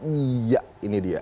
iya ini dia